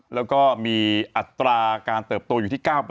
แล้วก็มีอัตราการเติบโตอยู่ที่๙